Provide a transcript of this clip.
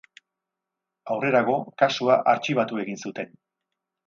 Aurrerago, kasua artxibatu egin zuten.